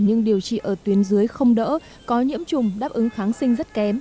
nhưng điều trị ở tuyến dưới không đỡ có nhiễm trùng đáp ứng kháng sinh rất kém